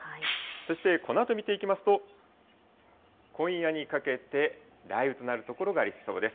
そしてこのあと見ていきますと、今夜にかけて雷雨となる所がありそうです。